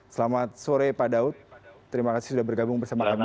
selamat sore pak daud terima kasih sudah bergabung bersama kami